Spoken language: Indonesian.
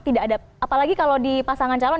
tidak ada apalagi kalau di pasangan calon